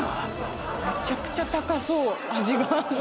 めちゃくちゃ高そう。